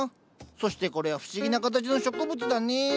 そしてこれは不思議な形の植物だね。